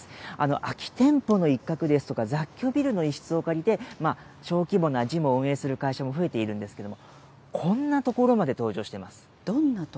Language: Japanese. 空き店舗の一角ですとか、雑居ビルの一室を借りて、小規模なジムを運営する会社も増えているんですけども、こんなところまで登場しています。